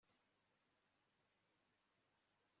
natekereje ko ubizi